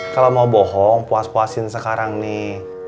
kalau mau bohong puas puasin sekarang nih